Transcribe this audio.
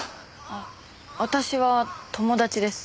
あっ私は友達です。